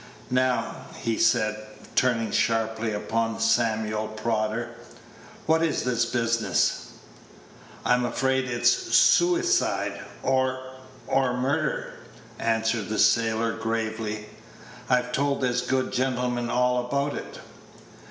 "Now," he said, turning sharply upon Samuel Prodder, "what is this business?" "I'm afraid it's sooicide or or murder," answered the sailor, gravely. "I've told this good gentleman all about it."